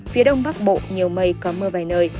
phía đông bắc bộ nhiều mây có mưa vài nơi